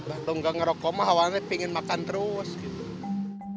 kalau nggak ngerokok mah awalnya pengen makan terus gitu